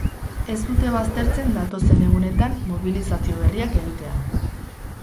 Ez dute baztertzen datozen egunetan mobilizazio berriak egitea.